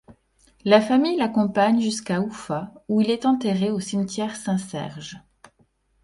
La famille l'accompagne jusqu'à Oufa, où il est enterré au cimetière Saint-Serge.